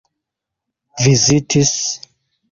vizitis